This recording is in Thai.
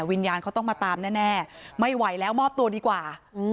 วิญญาณเขาต้องมาตามแน่ไม่ไหวแล้วมอบตัวดีกว่า